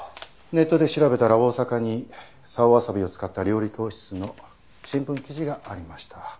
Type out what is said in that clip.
ネットで調べたら大阪に沢わさびを使った料理教室の新聞記事がありました。